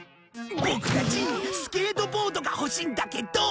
ボクたちスケートボードが欲しいんだけど。